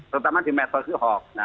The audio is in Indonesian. karena di metal si hoax